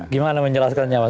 gimana menjelaskannya mas